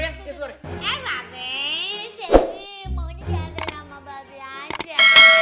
eh babe shelby maunya diandalkan sama babe aja